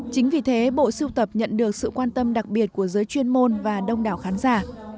chính vì thế bộ siêu tập nhận được sự quan tâm đặc biệt của giới chuyên môn và đông đảo khán giả